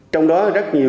trong đó rất nhiều